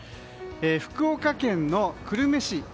福岡県の久留米市。